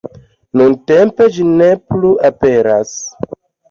Nuntempe ĝi ne plu aperas.